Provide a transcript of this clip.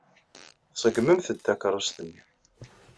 Tṣeggmemt-d takeṛṛust-nni.